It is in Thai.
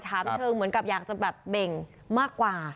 ถามเฉิงแบบอย่างจะแบ่บเย็นมากกว่า